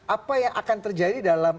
apa yang akan terjadi dalam